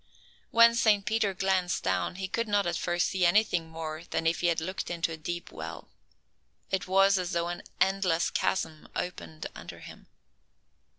When Saint Peter glanced down, he could not at first see anything more than if he had looked into a deep well. It was as though an endless chasm opened under him.